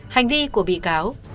hành vi của bị cáo